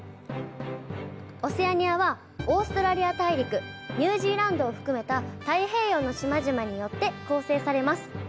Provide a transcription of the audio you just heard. オセアニアはオーストラリア大陸ニュージーランドを含めた太平洋の島々によって構成されます。